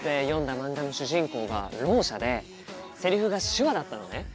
漫画の主人公がろう者でセリフが手話だったのね。